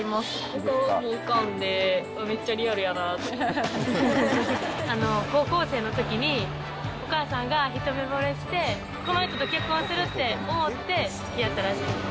顔も浮かんで、めっちゃリアルや高校生のときに、お母さんが一目ぼれして、この人と結婚するって思ってつきあったらしい。